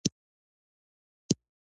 جلګه د افغانستان د طبیعي زیرمو برخه ده.